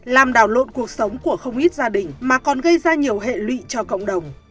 làm đảo lộn cuộc sống của không ít gia đình mà còn gây ra nhiều hệ lụy cho cộng đồng